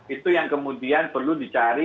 itu yang kemudian perlu dicari